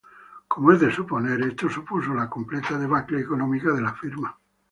Como es de suponer esto supuso la completa debacle económica de la firma.